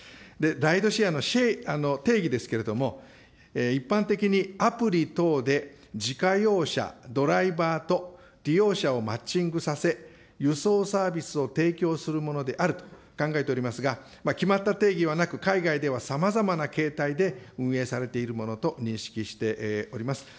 ライドシェアの定義ですけれども、一般的にアプリ等で自家用車ドライバーと利用者をマッチングさせ、輸送サービスを提供するものであると考えておりますが、決まった定義はなく、海外ではさまざまな形態で運営されているものと認識しております。